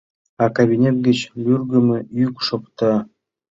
А кабинет гыч люргымо йӱк шокта.